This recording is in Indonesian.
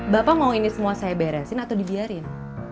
bapak mau ini semua saya beresin atau dibiarin